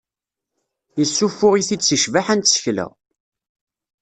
Yessuffuɣ-it-id seg ccbaḥa n tsekla.